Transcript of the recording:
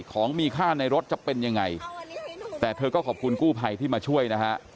ของมีค่าในรถจะเป็นยังไงแต่เธอก็ขอบคุณกู้ภัยที่มาช่วยนะฮะ